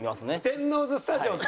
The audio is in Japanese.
天王洲スタジオの方。